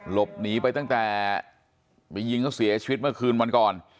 หลบหนีไปตั้งแต่ไปยิงเขาเสียชีวิตเมื่อคืนวันก่อน